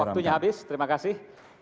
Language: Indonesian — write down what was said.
waktunya habis terima kasih